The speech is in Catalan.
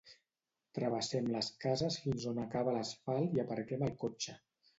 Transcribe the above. Travessem les cases fins on s'acaba l'asfalt i aparquem el cotxe.